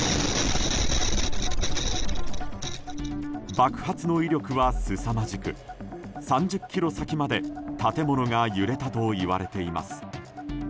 爆発の威力はすさまじく３０ｋｍ先まで建物が揺れたといわれています。